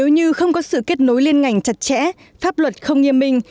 nếu như không có sự kết nối liên ngành chặt chẽ pháp luật không nghiêm minh